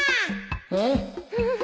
うん？